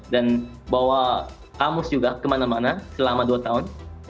dan bawa kamus juga kemana mana selama dua tahun